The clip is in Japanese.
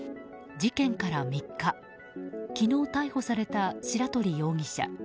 事件から３日、昨日逮捕された白鳥容疑者。